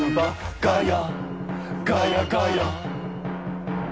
ガヤ！ガヤ！」